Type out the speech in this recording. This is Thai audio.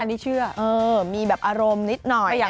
อันนี้เชื่อมีแบบอารมณ์นิดหน่อย